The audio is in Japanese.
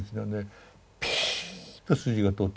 ピーッと筋が通ってる。